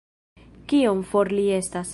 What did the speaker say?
Kiom for li estas